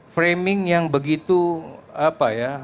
framing yang begitu apa ya